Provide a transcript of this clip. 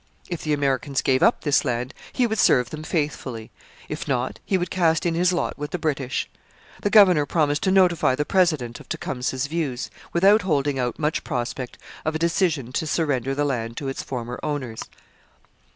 If the Americans gave up this land, he would serve them faithfully; if not, he would cast in his lot with the British. The governor promised to notify the president of Tecumseh's views, without holding out much prospect of a decision to surrender the land to its former owners.